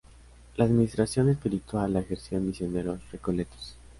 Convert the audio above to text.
La administración espiritual la ejercían misioneros Recoletos.